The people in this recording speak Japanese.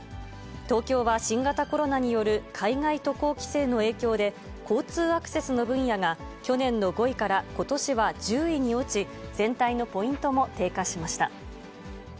東京は新型コロナによる海外渡航規制の影響で、交通・アクセスの分野が去年の５位からことしは１０位に落ち、全体のポイントも低下しました。